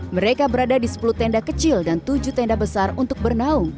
mereka berada di sepuluh tenda kecil dan tujuh tenda besar untuk bernaung